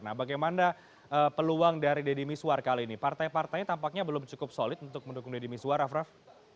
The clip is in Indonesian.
nah bagaimana peluang dari deddy miswar kali ini partai partai tampaknya belum cukup solid untuk mendukung deddy mizwar raff raff